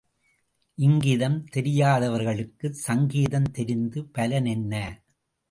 இங்கிதம் தெரியாதவளுக்குச் சங்கீதம் தெரிந்து பலன் என்ன?